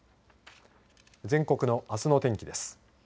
全国のあすの天気です。